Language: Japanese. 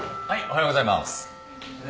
おはようございます。